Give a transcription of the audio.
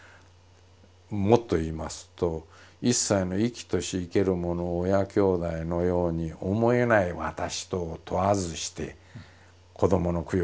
もっと言いますと一切の生きとし生けるものを親兄弟のように思えない私とを問わずして子どもの供養ができるかと。